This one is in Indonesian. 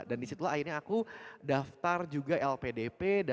dan disitu akhirnya aku daftar juga lpdp